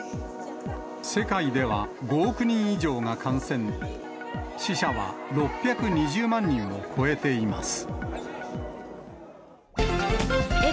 世界では５億人以上が感染、死者は６２０万人を超えています。